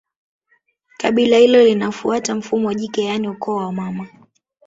Kabila hilo linafuata mfumo jike yaani ukoo wa mama